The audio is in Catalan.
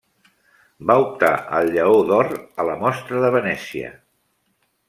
Va optar al Lleó d'Or a la Mostra de Venècia.